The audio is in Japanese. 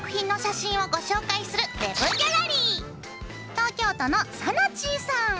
東京都のさなちんさん。